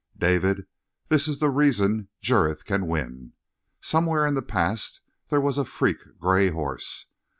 "David, this is the reason Jurith can win. Somewhere in the past there was a freak gray horse.